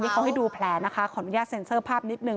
เขาให้ดูแผลนะคะขออนุญาตเซ็นเซอร์ภาพนิดนึ